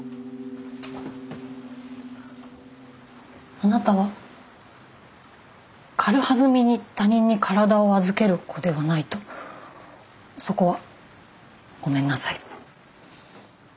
あなたは軽はずみに他人に体を預ける子ではないとそこはごめんなさい。